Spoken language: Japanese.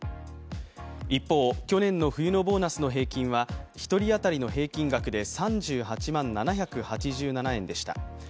一方、去年の冬のボーナスの平均は１人当たりの平均額で３８万７８７円でした。